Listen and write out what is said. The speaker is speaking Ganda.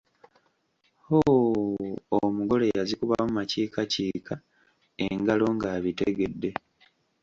Hooo omugole yazikubamu makiikakiika engalo ng'abitegedde.